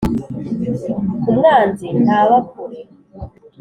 Umwanzi ntaba kure.